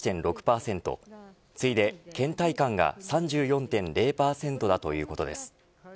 次いで倦怠感が３４．０％だということです。